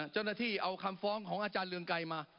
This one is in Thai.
เจ้าหน้าที่เอาคำฟ้องของอาจารย์เรืองไกรมา